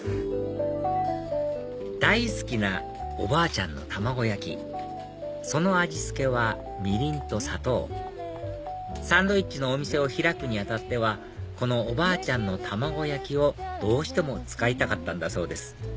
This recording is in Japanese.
大好きなおばあちゃんの卵焼きその味付けはみりんと砂糖サンドイッチのお店を開くに当たってはこのおばあちゃんの卵焼きをどうしても使いたかったんだそうです